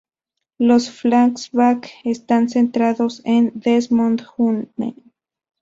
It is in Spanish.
Los flashback están centrados en Desmond Hume.